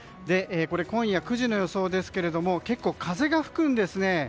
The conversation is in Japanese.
今夜９時の予想ですけれども結構、風が吹くんですね。